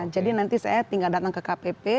jadi nanti saya tinggal datang ke kpp